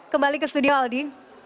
kembali ke studio aldi